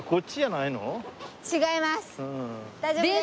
違います。